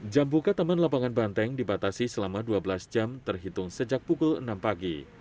jam buka taman lapangan banteng dibatasi selama dua belas jam terhitung sejak pukul enam pagi